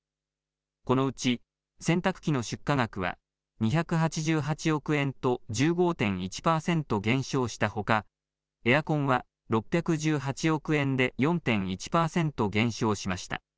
このうち洗濯機の出荷額は２８８億円と１５．１％減少したほかエアコンは６１８億円で４．１％減少しました。